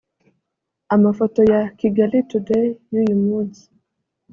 Amafoto ya Kigali Today y’uyu munsi